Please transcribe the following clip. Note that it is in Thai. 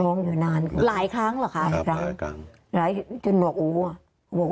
ร้องอยู่นานไหม